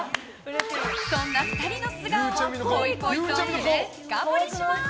そんな２人の素顔をぽいぽいトークで深掘りします！